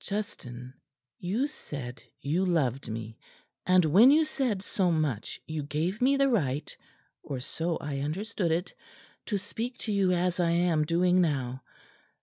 "Justin, you said you loved me; and when you said so much, you gave me the right or so I understood it to speak to you as I am doing now.